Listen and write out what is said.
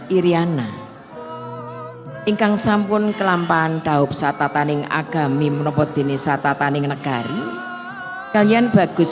iryana ingkang sampun kelampaan daub satataning agami menobodini satataning negari kalian bagus